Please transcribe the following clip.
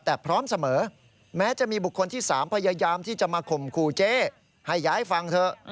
แต่พร้อมเสมอแม้จะมีบุคคลที่๓พยายามที่จะมาข่มขู่เจ๊ให้ย้ายฟังเถอะ